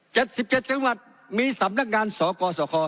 ๑๗จังหวัดมี๓นักงานสกสค